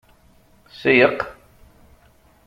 Seyyeq!